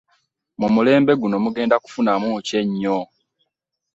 Mu mulembe guno mugenda kufunamu ki ennyo?